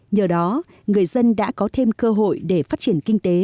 nhờ đó người dân đã có thêm cơ hội để phát triển kinh tế